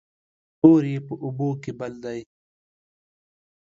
اور يې په اوبو کې بل دى